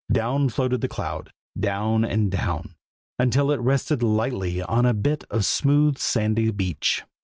Down floated the cloud, down and down, until it rested lightly on a bit of smooth sandy beach.